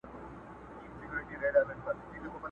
وني وویل پر ملا ځکه ماتېږم؛